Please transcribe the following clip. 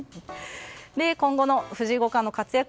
今後の藤井五冠の活躍。